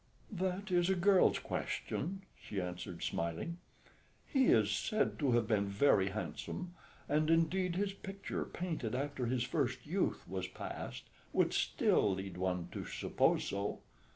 "That is a girl's question," she answered, smiling. "He is said to have been very handsome; and indeed his picture, painted after his first youth was past, would still lead one to suppose so.